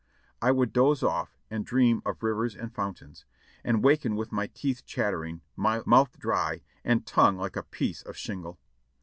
I would doze off and dream of rivers and fountains, and waken with my teeth chatter ing, mouth dry, and tongue like a piece of shingle.